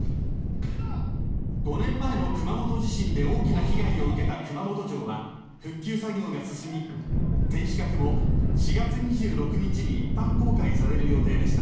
５年前の熊本地震で大きな被害を受けた熊本城は復旧作業が進み天守閣も４月２６日に一般公開される予定でした。